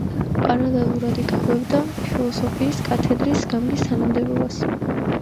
პარალელურად იკავებდა ფილოსოფიის კათედრის გამგის თანამდებობას.